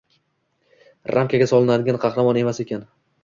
“ramka”ga solinadigan qahramon emas ekan.